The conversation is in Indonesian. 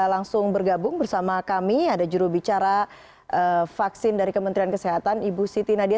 langsung bergabung bersama kami ada jurubicara vaksin dari kementerian kesehatan ibu siti nadia